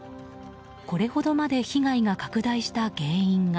これほどまで被害が拡大した原因が。